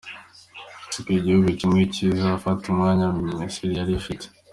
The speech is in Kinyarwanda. Hasigaye igihugu kimwe kizafata umwanya Misiri yari ifite.